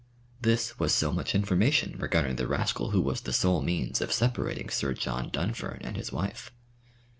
This was so much information regarding the rascal who was the sole means of separating Sir John Dunfern and his wife.